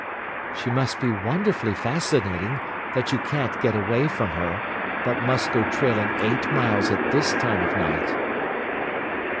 "She must be wonderfully fascinating, that you can't get away from her, but must go trailing eight miles at this time of night."